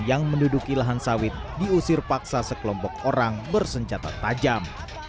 yang menduduki lahan sawit diusir paksa sekelompok orang bersenjata tajam